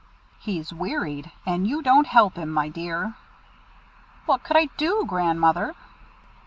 "He's wearied, and you don't help him, my dear." "What could I do, Grandmother?"